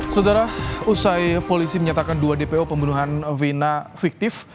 saudara usai polisi menyatakan dua dpo pembunuhan vena fiktif